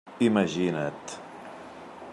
Imagina't!